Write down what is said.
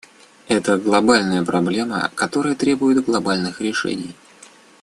Это глобальная проблема, которая требует глобальных решений.